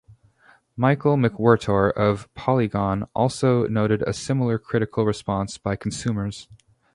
Michael McWhertor of Polygon also noted a similar critical response by consumers.